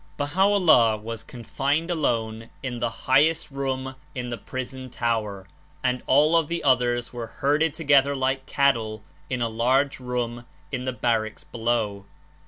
Baha'o^llah was confined alone in the highest room in the prison tower and all of the others were herded together like cattle in a large room in the bar racks below.